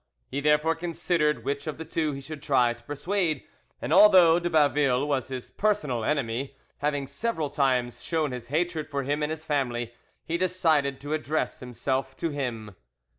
He therefore considered which of the two he should try to persuade, and although de Baville was his personal enemy, having several times shown his hatred for him and his family, he decided to address himself to him.